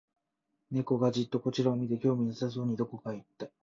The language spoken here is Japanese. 猫がじっとこちらを見て、興味なさそうにどこかへ行った